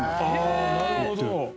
あなるほど。